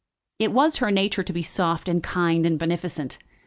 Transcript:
It was her nature to be soft, and kind, and beneficent.